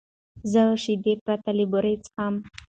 زه شیدې پرته له بوره څښم.